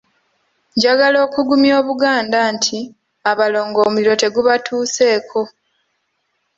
Njagala okugumya Obuganda nti Abalongo omuliro tegubatuseeko.